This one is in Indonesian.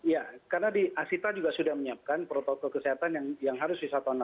iya karena di asita juga sudah menyiapkan protokol kesehatan yang yang bisa diberikan